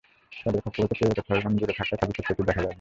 চাঁদের কক্ষপথের চেয়ে এটি ছয়গুণ দূরে থাকায় খালি চোখে এটি দেখা যায়নি।